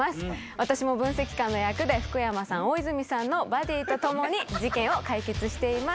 私も分析官の役で福山さん大泉さんのバディとともに事件を解決しています